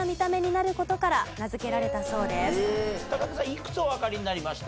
いくつおわかりになりました？